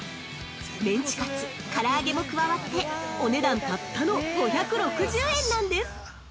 メンチカツ、から揚げも加わってお値段たったの５６０円なんです。